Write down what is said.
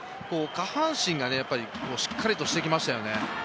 下半身がしっかりとしてきましたよね。